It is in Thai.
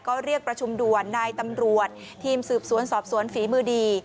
ก็เรียกประชุมด่วนนายตำรวจทีมสืบสวนสอบสวนฝีมือดี